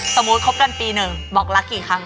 สมมุติคบกันปีหนึ่งบอกรักกี่ครั้ง